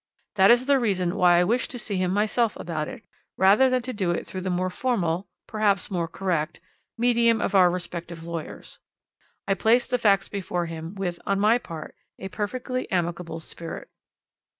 That is the reason why I wished to see him myself about it, rather than to do it through the more formal perhaps more correct medium of our respective lawyers. I placed the facts before him with, on my part, a perfectly amicable spirit.'